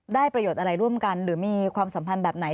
ได้ประโยชน์อะไรร่วมกันหรือมีความสัมพันธ์แบบไหน